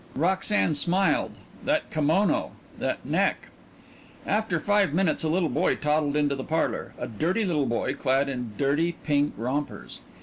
Roxanne smiled. That kimono! That neck! After five minutes a little boy toddled into the parlor a dirty little boy clad in dirty pink rompers.